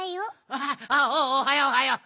ああおはようおはよう。